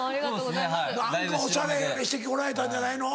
おしゃれにして来られたんじゃないの？